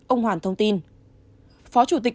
ông hoàn thông tin phó chủ tịch